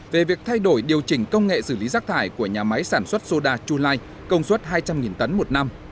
về việc thay đổi điều chỉnh công nghệ xử lý rác thải của nhà máy sản xuất soda chulai công suất hai trăm linh tấn một năm